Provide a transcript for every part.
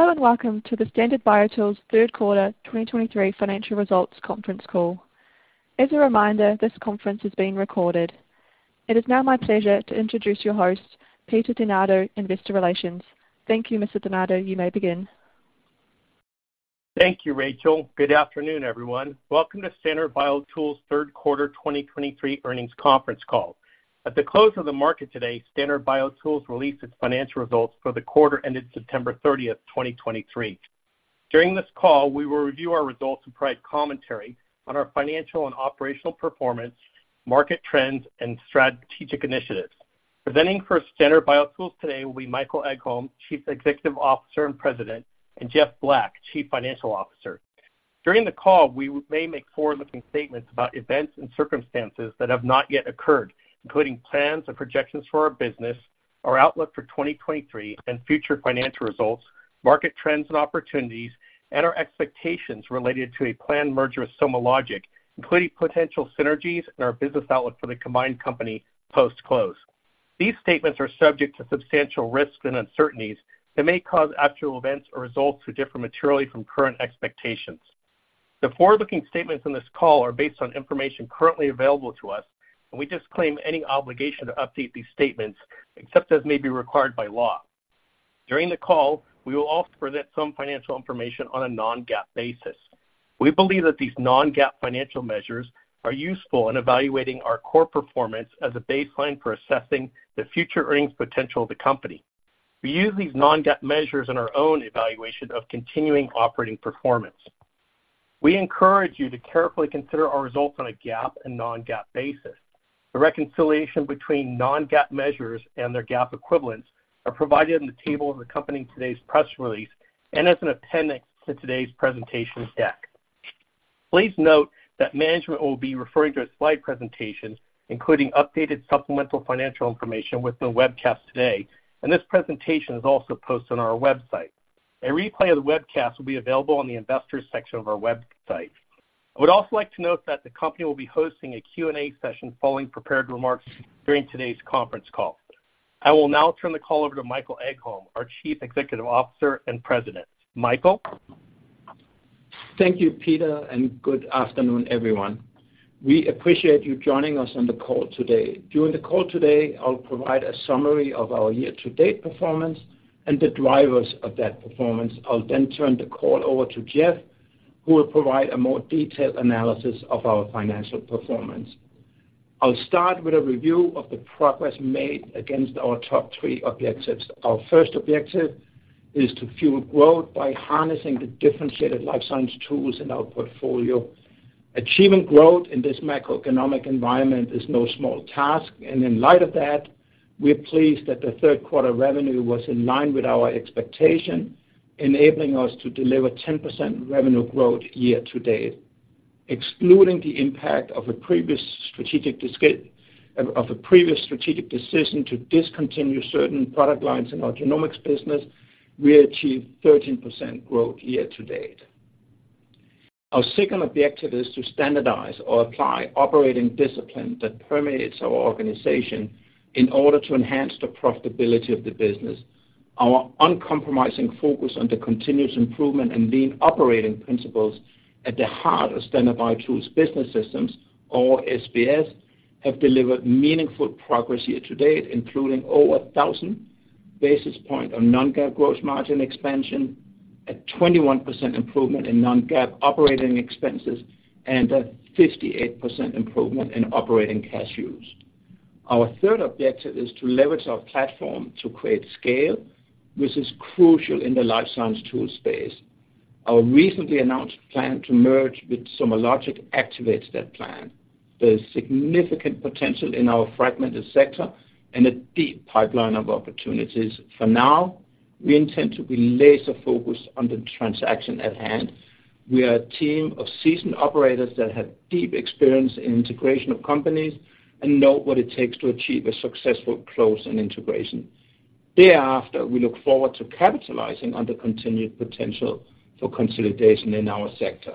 Hello, and welcome to the Standard BioTools Third Quarter 2023 Financial Results Conference Call. As a reminder, this conference is being recorded. It is now my pleasure to introduce your host, Peter DeNardo, Investor Relations. Thank you, Mr. DeNardo. You may begin. Thank you, Rachel. Good afternoon, everyone. Welcome to Standard BioTools' third quarter 2023 earnings conference call. At the close of the market today, Standard BioTools released its financial results for the quarter ended September 30th, 2023. During this call, we will review our results and provide commentary on our financial and operational performance, market trends, and strategic initiatives. Presenting for Standard BioTools today will be Michael Egholm, Chief Executive Officer and President, and Jeff Black, Chief Financial Officer. During the call, we may make forward-looking statements about events and circumstances that have not yet occurred, including plans and projections for our business, our outlook for 2023 and future financial results, market trends and opportunities, and our expectations related to a planned merger with SomaLogic, including potential synergies and our business outlook for the combined company post-close. These statements are subject to substantial risks and uncertainties that may cause actual events or results to differ materially from current expectations. The forward-looking statements on this call are based on information currently available to us, and we disclaim any obligation to update these statements, except as may be required by law. During the call, we will also present some financial information on a non-GAAP basis. We believe that these non-GAAP financial measures are useful in evaluating our core performance as a baseline for assessing the future earnings potential of the company. We use these non-GAAP measures in our own evaluation of continuing operating performance. We encourage you to carefully consider our results on a GAAP and non-GAAP basis. The reconciliation between non-GAAP measures and their GAAP equivalents are provided in the table accompanying today's press release and as an appendix to today's presentation deck. Please note that management will be referring to a slide presentation, including updated supplemental financial information, with the webcast today, and this presentation is also posted on our website. A replay of the webcast will be available on the Investors section of our website. I would also like to note that the company will be hosting a Q&A session following prepared remarks during today's conference call. I will now turn the call over to Michael Egholm, our Chief Executive Officer and President. Michael? Thank you, Peter, and good afternoon, everyone. We appreciate you joining us on the call today. During the call today, I'll provide a summary of our year-to-date performance and the drivers of that performance. I'll then turn the call over to Jeff, who will provide a more detailed analysis of our financial performance. I'll start with a review of the progress made against our top three objectives. Our first objective is to fuel growth by harnessing the differentiated life science tools in our portfolio. Achieving growth in this macroeconomic environment is no small task, and in light of that, we are pleased that the third quarter revenue was in line with our expectation, enabling us to deliver 10% revenue growth year to date. Excluding the impact of a previous strategic decision to discontinue certain product lines in our genomics business, we achieved 13% growth year to date. Our second objective is to standardize or apply operating discipline that permeates our organization in order to enhance the profitability of the business. Our uncompromising focus on the continuous improvement and lean operating principles at the heart of Standard BioTools Business Systems, or SBS, have delivered meaningful progress year to date, including over 1,000 basis points of non-GAAP gross margin expansion, a 21% improvement in non-GAAP operating expenses, and a 58% improvement in operating cash use. Our third objective is to leverage our platform to create scale, which is crucial in the life science tool space. Our recently announced plan to merge with SomaLogic activates that plan. There is significant potential in our fragmented sector and a deep pipeline of opportunities. For now, we intend to be laser focused on the transaction at hand. We are a team of seasoned operators that have deep experience in integration of companies and know what it takes to achieve a successful close and integration. Thereafter, we look forward to capitalizing on the continued potential for consolidation in our sector.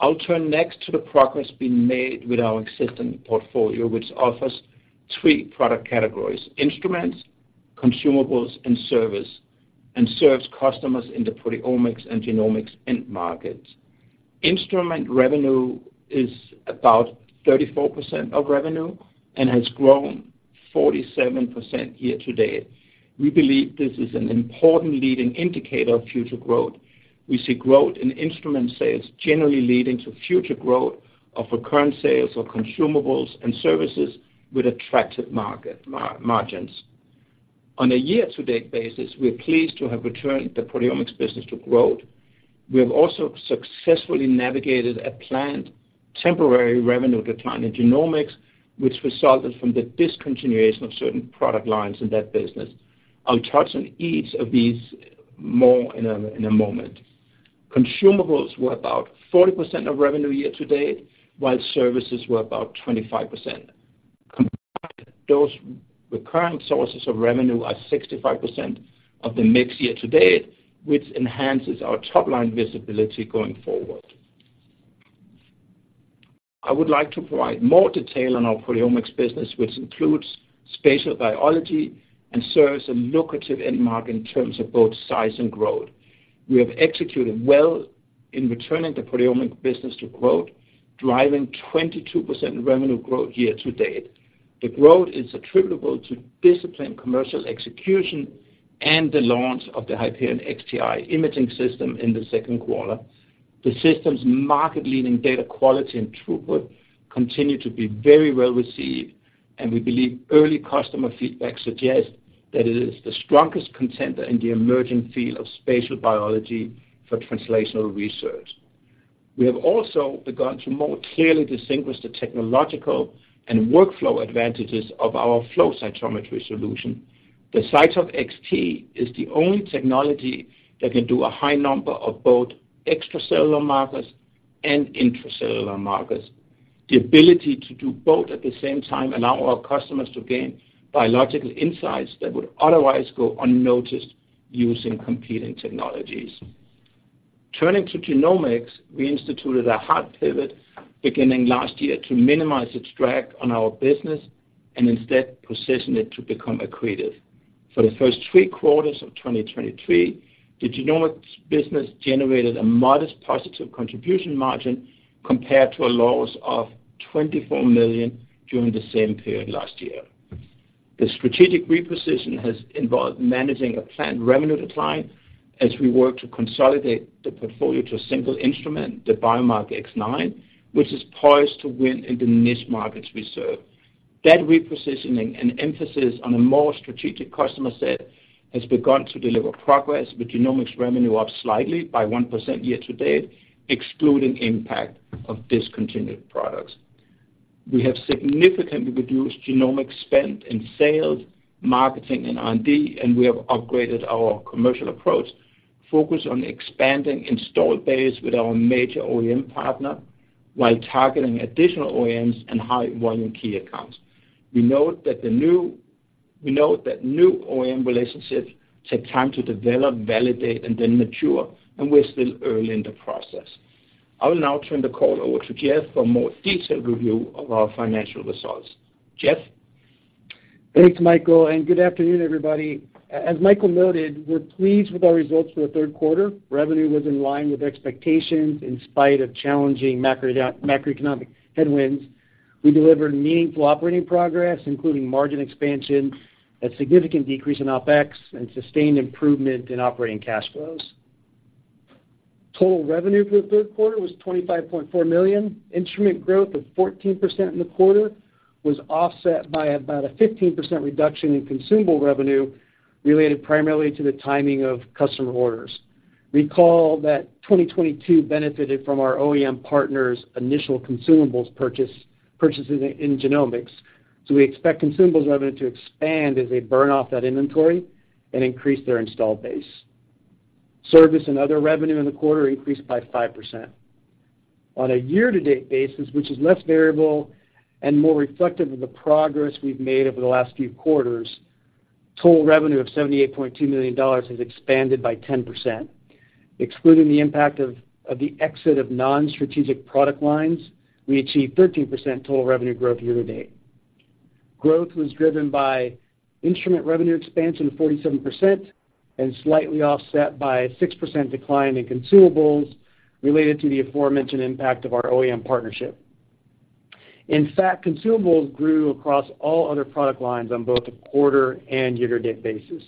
I'll turn next to the progress being made with our existing portfolio, which offers three product categories: instruments, consumables, and service, and serves customers in the proteomics and genomics end markets. Instrument revenue is about 34% of revenue and has grown 47% year to date. We believe this is an important leading indicator of future growth. We see growth in instrument sales generally leading to future growth of recurrent sales of consumables and services with attractive market margins. On a year-to-date basis, we are pleased to have returned the proteomics business to growth. We have also successfully navigated a planned temporary revenue decline in genomics, which resulted from the discontinuation of certain product lines in that business. I'll touch on each of these more in a moment. Consumables were about 40% of revenue year to date, while services were about 25%. Combined, those recurrent sources of revenue are 65% of the mix year to date, which enhances our top-line visibility going forward.... I would like to provide more detail on our proteomics business, which includes Spatial Biology and serves a lucrative end market in terms of both size and growth. We have executed well in returning the proteomics business to growth, driving 22% revenue growth year-to-date. The growth is attributable to disciplined commercial execution and the launch of the Hyperion XTi imaging system in the second quarter. The system's market-leading data quality and throughput continue to be very well received, and we believe early customer feedback suggests that it is the strongest contender in the emerging field of spatial biology for translational research. We have also begun to more clearly distinguish the technological and workflow advantages of our flow cytometry solution. The CyTOF XT is the only technology that can do a high number of both extracellular markers and intracellular markers. The ability to do both at the same time allow our customers to gain biological insights that would otherwise go unnoticed using competing technologies. Turning to genomics, we instituted a hard pivot beginning last year to minimize its drag on our business and instead position it to become accretive. For the first three quarters of 2023, the genomics business generated a modest positive contribution margin compared to a loss of $24 million during the same period last year. The strategic reposition has involved managing a planned revenue decline as we work to consolidate the portfolio to a single instrument, the Biomark X9, which is poised to win in the niche markets we serve. That repositioning and emphasis on a more strategic customer set has begun to deliver progress, with genomics revenue up slightly by 1% year to date, excluding impact of discontinued products. We have significantly reduced genomics spend in sales, marketing, and R&D, and we have upgraded our commercial approach, focused on expanding installed base with our major OEM partner, while targeting additional OEMs and high-volume key accounts. We note that new OEM relationships take time to develop, validate, and then mature, and we're still early in the process. I will now turn the call over to Jeff for a more detailed review of our financial results. Jeff? Thanks, Michael, and good afternoon, everybody. As Michael noted, we're pleased with our results for the third quarter. Revenue was in line with expectations in spite of challenging macroeconomic headwinds. We delivered meaningful operating progress, including margin expansion, a significant decrease in OpEx, and sustained improvement in operating cash flows. Total revenue for the third quarter was $25.4 million. Instrument growth of 14% in the quarter was offset by about a 15% reduction in consumable revenue, related primarily to the timing of customer orders. Recall that 2022 benefited from our OEM partner's initial consumables purchase, purchases in genomics, so we expect consumables revenue to expand as they burn off that inventory and increase their installed base. Service and other revenue in the quarter increased by 5%. On a year-to-date basis, which is less variable and more reflective of the progress we've made over the last few quarters, total revenue of $78.2 million has expanded by 10%. Excluding the impact of the exit of non-strategic product lines, we achieved 13% total revenue growth year to date. Growth was driven by instrument revenue expansion of 47% and slightly offset by a 6% decline in consumables related to the aforementioned impact of our OEM partnership. In fact, consumables grew across all other product lines on both a quarter and year-to-date basis.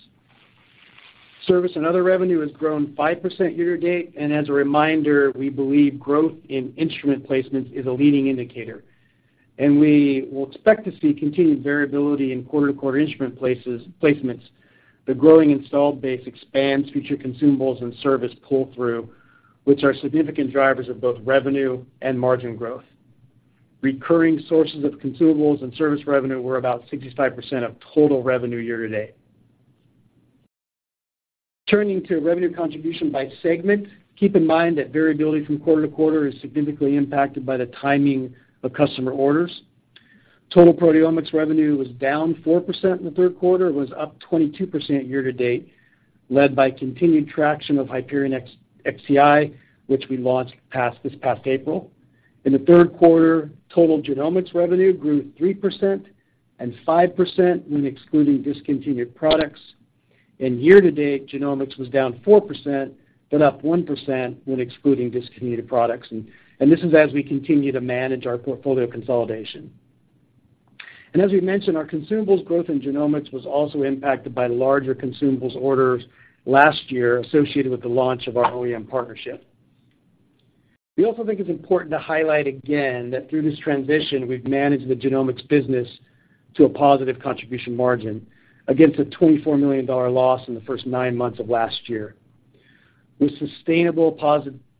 Service and other revenue has grown 5% year to date, and as a reminder, we believe growth in instrument placements is a leading indicator, and we will expect to see continued variability in quarter-to-quarter instrument places, placements. The growing installed base expands future consumables and service pull-through, which are significant drivers of both revenue and margin growth. Recurring sources of consumables and service revenue were about 65% of total revenue year to date. Turning to revenue contribution by segment, keep in mind that variability from quarter to quarter is significantly impacted by the timing of customer orders. Total proteomics revenue was down 4% in the third quarter, was up 22% year to date, led by continued traction of Hyperion XTi, which we launched this past April. In the third quarter, total genomics revenue grew 3% and 5% when excluding discontinued products. And year to date, genomics was down 4%, but up 1% when excluding discontinued products, and this is as we continue to manage our portfolio consolidation. And as we've mentioned, our consumables growth in genomics was also impacted by larger consumables orders last year associated with the launch of our OEM partnership. We also think it's important to highlight again that through this transition, we've managed the genomics business to a positive contribution margin, against a $24 million loss in the first nine months of last year. With sustainable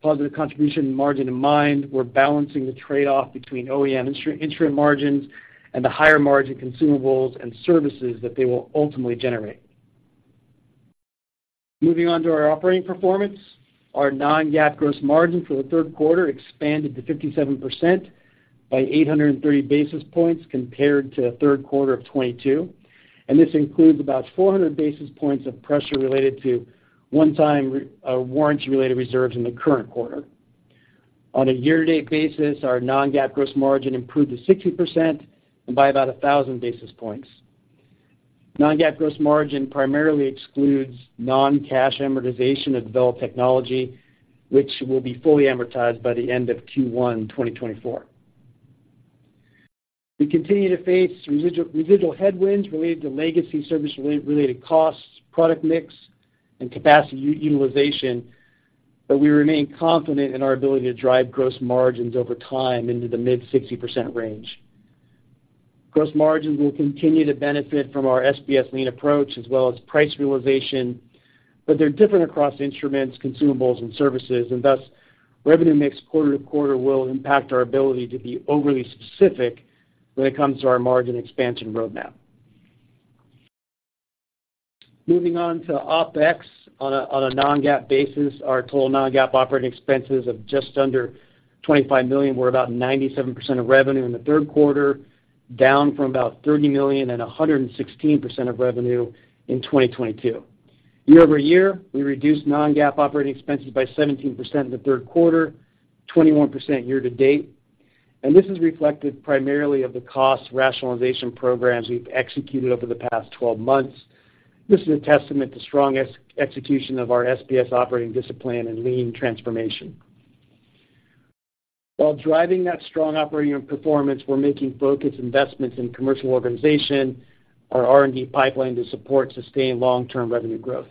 positive contribution margin in mind, we're balancing the trade-off between OEM instrument margins and the higher margin consumables and services that they will ultimately generate. Moving on to our operating performance, our non-GAAP gross margin for the third quarter expanded to 57% by 830 basis points compared to the third quarter of 2022, and this includes about 400 basis points of pressure related to one-time, warranty-related reserves in the current quarter. On a year-to-date basis, our non-GAAP gross margin improved to 60% and by about 1,000 basis points. Non-GAAP gross margin primarily excludes non-cash amortization of developed technology, which will be fully amortized by the end of Q1 2024. We continue to face residual headwinds related to legacy service-related costs, product mix, and capacity utilization, but we remain confident in our ability to drive gross margins over time into the mid-60% range. Gross margins will continue to benefit from our SBS lean approach as well as price realization, but they're different across instruments, consumables, and services, and thus, revenue mix quarter to quarter will impact our ability to be overly specific when it comes to our margin expansion roadmap. Moving on to OpEx. On a Non-GAAP basis, our total Non-GAAP operating expenses of just under $25 million were about 97% of revenue in the third quarter, down from about $30 million and 116% of revenue in 2022. Year-over-year, we reduced Non-GAAP operating expenses by 17% in the third quarter, 21% year to date, and this is reflected primarily of the cost rationalization programs we've executed over the past 12 months. This is a testament to strong execution of our SBS operating discipline and lean transformation. While driving that strong operating performance, we're making focused investments in commercial organization, our R&D pipeline to support sustained long-term revenue growth.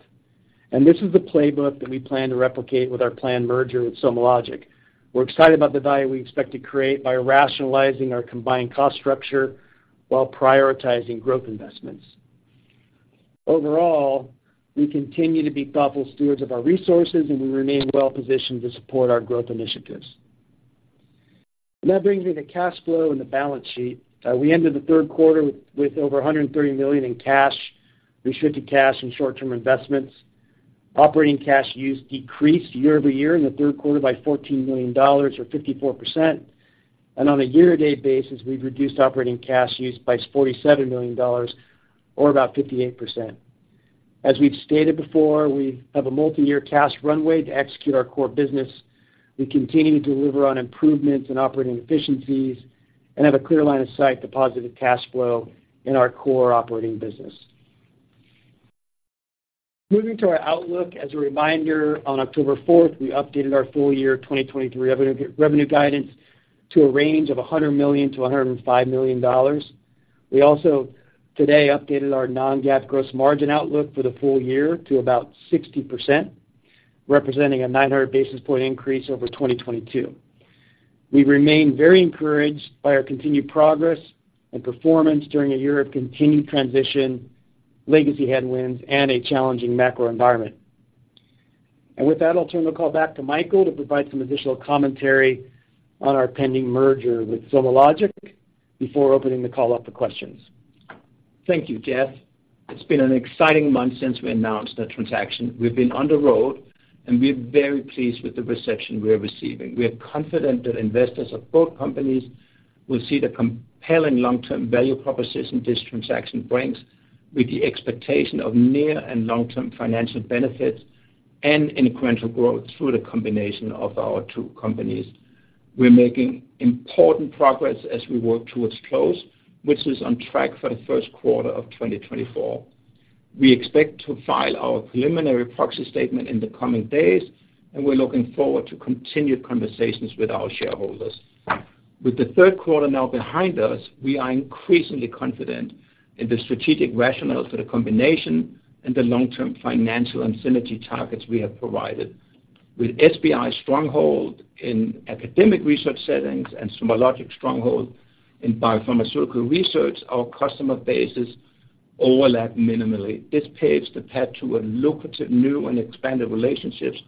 And this is the playbook that we plan to replicate with our planned merger with SomaLogic. We're excited about the value we expect to create by rationalizing our combined cost structure while prioritizing growth investments. Overall, we continue to be thoughtful stewards of our resources, and we remain well positioned to support our growth initiatives. That brings me to cash flow and the balance sheet. We ended the third quarter with over $130 million in cash, restricted cash, and short-term investments. Operating cash use decreased year-over-year in the third quarter by $14 million or 54%, and on a year-to-date basis, we've reduced operating cash use by $47 million or about 58%. As we've stated before, we have a multiyear cash runway to execute our core business. We continue to deliver on improvements in operating efficiencies and have a clear line of sight to positive cash flow in our core operating business. Moving to our outlook, as a reminder, on October 4th, we updated our full year 2023 revenue, revenue guidance to a range of $100 million-$105 million. We also today updated our Non-GAAP gross margin outlook for the full year to about 60%, representing a 900 basis point increase over 2022. We remain very encouraged by our continued progress and performance during a year of continued transition, legacy headwinds, and a challenging macro environment. And with that, I'll turn the call back to Michael to provide some additional commentary on our pending merger with SomaLogic before opening the call up for questions. Thank you, Jeff. It's been an exciting month since we announced the transaction. We've been on the road, and we're very pleased with the reception we are receiving. We are confident that investors of both companies will see the compelling long-term value proposition this transaction brings, with the expectation of near and long-term financial benefits and incremental growth through the combination of our two companies. We're making important progress as we work towards close, which is on track for the first quarter of 2024. We expect to file our preliminary proxy statement in the coming days, and we're looking forward to continued conversations with our shareholders. With the third quarter now behind us, we are increasingly confident in the strategic rationale for the combination and the long-term financial and synergy targets we have provided. With SBI's stronghold in academic research settings and SomaLogic's stronghold in biopharmaceutical research, our customer bases overlap minimally. This paves the path to a lucrative new and expanded relationships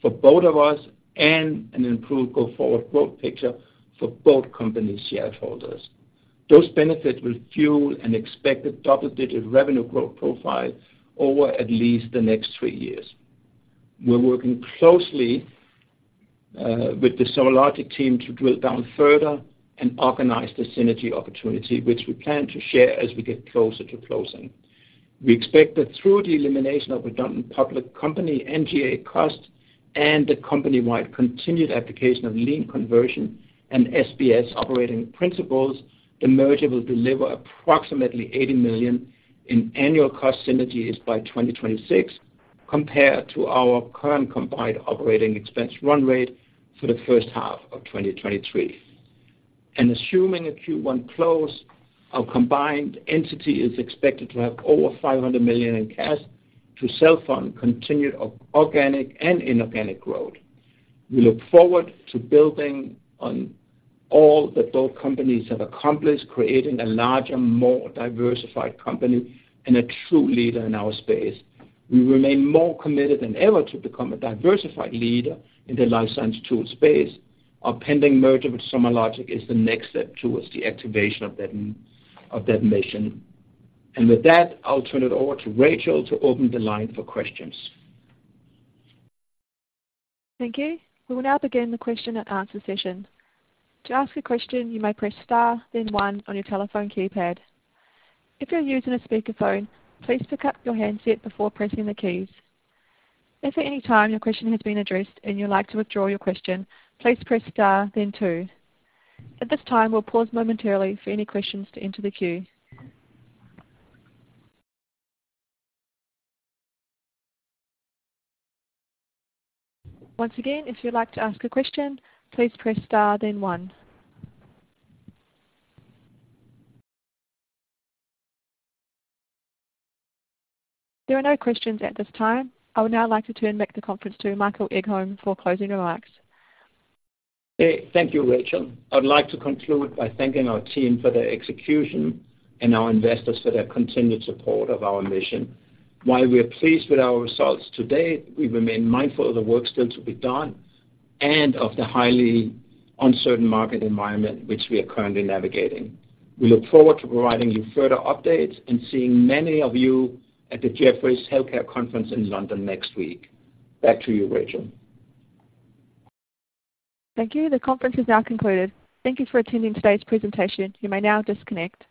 for both of us and an improved go-forward growth picture for both companies' shareholders. Those benefits will fuel an expected double-digit revenue growth profile over at least the next three years. We're working closely with the SomaLogic team to drill down further and organize the synergy opportunity, which we plan to share as we get closer to closing. We expect that through the elimination of redundant public company NGA costs and the company-wide continued application of lean conversion and SBS operating principles, the merger will deliver approximately $80 million in annual cost synergies by 2026, compared to our current combined operating expense run rate for the first half of 2023. And assuming a Q1 close, our combined entity is expected to have over $500 million in cash to fuel continued organic and inorganic growth. We look forward to building on all that both companies have accomplished, creating a larger, more diversified company and a true leader in our space. We remain more committed than ever to become a diversified leader in the life science tool space. Our pending merger with SomaLogic is the next step towards the activation of that mission. And with that, I'll turn it over to Rachel to open the line for questions. Thank you. We will now begin the question and answer session. To ask a question, you may press star then one on your telephone keypad. If you're using a speakerphone, please pick up your handset before pressing the keys. If at any time your question has been addressed and you'd like to withdraw your question, please press star then two. At this time, we'll pause momentarily for any questions to enter the queue. Once again, if you'd like to ask a question, please press star then one. There are no questions at this time. I would now like to turn back the conference to Michael Egholm for closing remarks. Hey, thank you, Rachel. I'd like to conclude by thanking our team for their execution and our investors for their continued support of our mission. While we are pleased with our results today, we remain mindful of the work still to be done and of the highly uncertain market environment which we are currently navigating. We look forward to providing you further updates and seeing many of you at the Jefferies Healthcare Conference in London next week. Back to you, Rachel. Thank you. The conference is now concluded. Thank you for attending today's presentation. You may now disconnect.